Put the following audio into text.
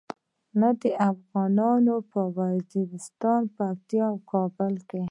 نه د افغانانو په وزیرستان، پکتیا او کابل کې.